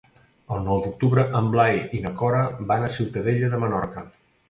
El nou d'octubre en Blai i na Cora van a Ciutadella de Menorca.